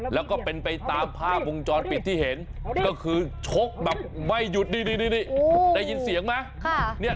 แล้วก็เป็นไปตามภาพวงจรปิดที่เห็นก็คือชกแบบไม่หยุดนี่ได้ยินเสียงไหม